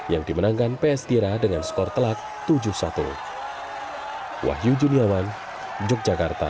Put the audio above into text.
yang dimenangkan pstira dengan skor telak tujuh satu